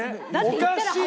おかしい。